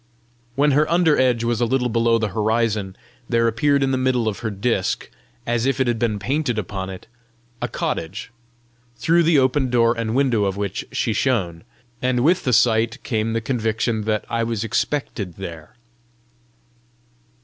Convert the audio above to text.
When her under edge was a little below the horizon, there appeared in the middle of her disc, as if it had been painted upon it, a cottage, through the open door and window of which she shone; and with the sight came the conviction that I was expected there.